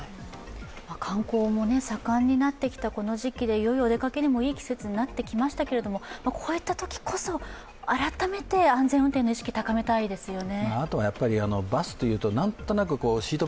観光も盛んになってきたこの時期に、いよいよお出かけにもいい季節になってきましたけれども、こういうときこそ改めて、安全運転の意識高めたいですよね。